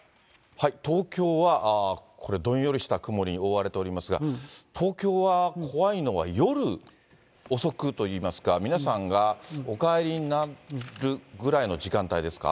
東京はこれ、どんよりした雲に覆われておりますが、東京は怖いのは夜遅くといいますか、皆さんがお帰りになるぐらいの時間帯ですか。